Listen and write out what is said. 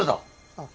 あっ。